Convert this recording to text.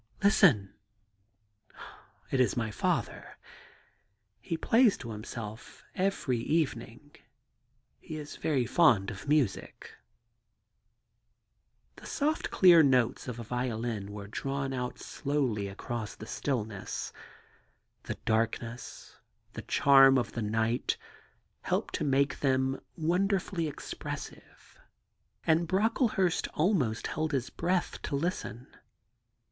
' Listen !' *It is my father. He plays to himself every evening ; he is very fond of music. ' The soft, clear notes of a violin were drawn out slowly across the stillness. The darkness, the charm of the night, helped to make them wonderfully ex pressive, and Brocklehurst almost held his breath to listen.